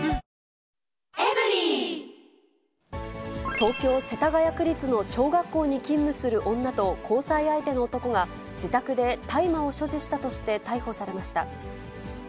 東京・世田谷区立の小学校に勤務する女と、交際相手の男が、自宅で大麻を所持したとして逮捕されました。